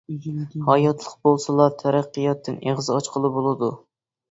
ھاياتلىق بولسىلا، تەرەققىياتتىن ئېغىز ئاچقىلى بولىدۇ.